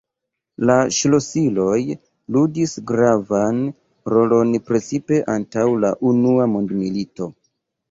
La ŝlosiloj ludis gravan rolon precipe antaŭ la unua mondmilito.